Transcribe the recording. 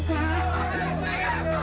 ada apa ini rangka